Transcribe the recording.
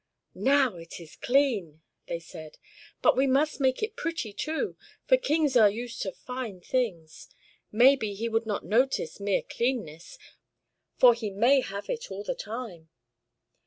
"Now it is clean!" they said; "but we must make it pretty, too, for kings are used to fine things; maybe he would not notice mere cleanness, for he may have it all the time."